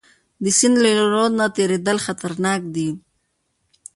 د سند له رود نه تیریدل خطرناک دي.